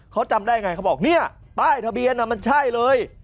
เขาจำได้ไงเขาบอกเนี่ยป้ายทะเบียนมันใช่เลย